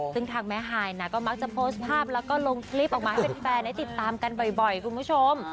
ซึ่งทางแม่ฮายนะก็มักจะโพสต์ภาพแล้วก็ลงคลิปออกมาให้แฟนได้ติดตามกันบ่อยคุณผู้ชม